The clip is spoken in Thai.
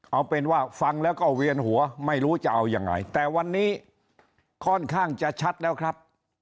เอาเป็นว่าฟังแล้วก็เวียนหัวไม่รู้จะเอายังไงแต่วันนี้ค่อนข้างจะชัดแล้วครับ